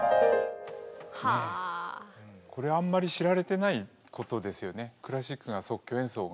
これあんまり知られてないことですよね。